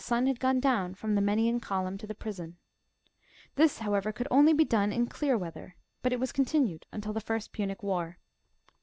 pim had gone down from the Msenian column"^ to the prison. This, however, could only be done in clear weather, but it was continued until the first Punic war.